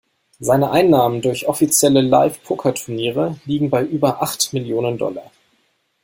Seine Einnahmen durch offizielle Live-Pokerturniere liegen bei über acht Millionen Dollar.